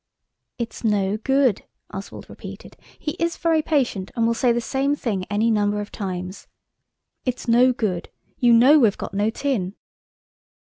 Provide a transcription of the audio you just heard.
"It's no good," Oswald repeated; he is very patient and will say the same thing any number of times. "It's no good. You know we've got no tin."